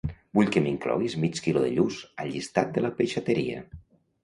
Vull que m'incloguis mig quilo de lluç a llistat de la peixateria.